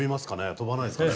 飛ばないですかね。